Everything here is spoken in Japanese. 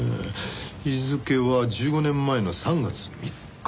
日付は１５年前の３月３日。